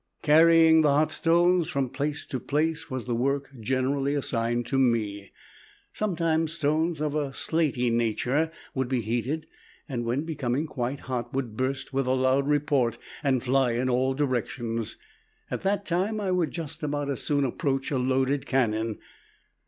Carrying the hot stones from place to place was the work generally assigned to me. Sometimes stones of a slaty nature would be heated and when becoming quite hot would burst with a loud report and fly in all directions. At that time I would just about as soon approach a loaded cannon.